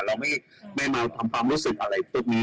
เราไม่มาทำความรู้สึกอะไรพวกนี้